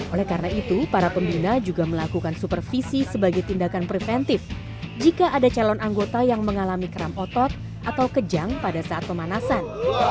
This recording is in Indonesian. oleh karena itu para pembina juga melakukan supervisi sebagai tindakan preventif jika ada calon anggota yang mengalami keram otot atau kejang pada saat pemanasan